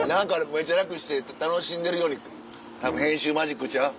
めちゃ楽して楽しんでるようにたぶん編集マジックちゃう？